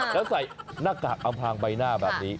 แล้วใส่หน้ากากอำพางใบหน้าแบบนี้